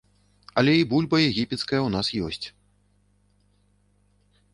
Але і бульба егіпецкая ў нас ёсць.